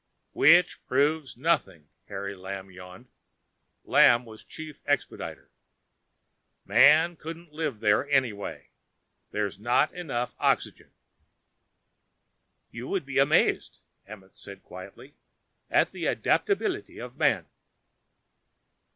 "Which proves nothing," Harvey Lamb yawned. Lamb was chief expediter. "Man couldn't live there, anyway. There's not enough oxygen." "You would be amazed," Amenth said quietly, "at the adaptability of Man."